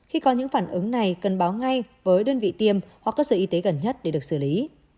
khi có những phản ứng này cần báo ngay với đơn vị tiêm hoặc cơ sở y tế gần nhất để được xử lý